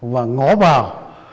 và ngó vào